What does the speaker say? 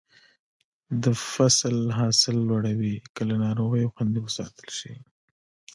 د فصل حاصل لوړوي که له ناروغیو خوندي وساتل شي.